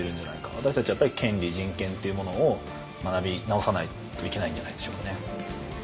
私たちはやっぱり権利人権というものを学び直さないといけないんじゃないでしょうかね。